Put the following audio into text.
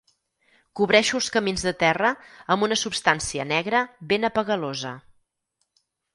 Cobreixo els camins de terra amb una substància negra ben apegalosa.